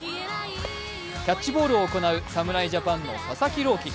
キャッチボールを行う侍ジャパンの佐々木朗希。